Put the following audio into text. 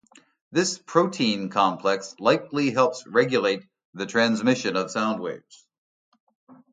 This protein complex likely helps regulate the transmission of sound waves.